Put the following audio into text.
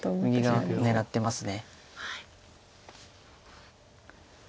右側狙ってます。